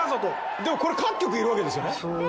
でもこれ各局いるわけですよね？